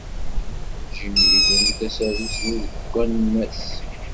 Jim yebren tasarut-nni deg wannas.